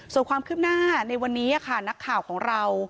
ส่วนความคืบหน้าในวันนี้ค่ะนักข่าวของเรา